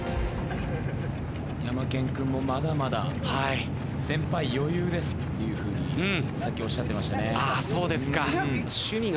ヤマケン君もまだまだ。っていうふうにさっきおっしゃってましたね。